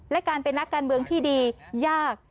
และการเป็นนักการเมืองที่ดียาก